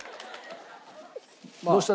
どうした？